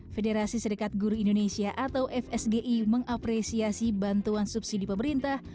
federasi serikat guru indonesia atau fsgi mengapresiasi bantuan subsidi pemerintah